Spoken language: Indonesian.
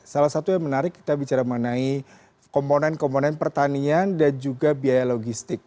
salah satu yang menarik kita bicara mengenai komponen komponen pertanian dan juga biaya logistik